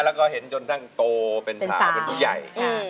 แล้วก็เห็นจนทั้งโตเป็นสาวเป็นผู้ใหญ่